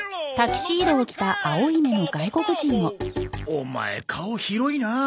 オマエ顔広いなあ。